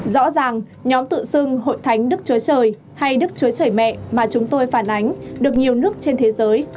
rõ ràng nhóm tự xưng hội thánh đức chúa trời hay đức chúa trời mẹ mà chúng tôi phản ánh được nhiều nước trên thế giới coi là dị giáo